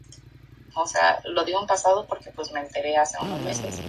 El emblema de esta legión eran los dioses Neptuno y Júpiter junto a Capricornio.